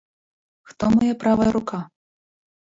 Хто мая правая рука?